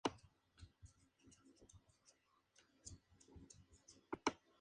En la actualidad un cuartel lleva su nombre en la ciudad fronteriza de Villamontes.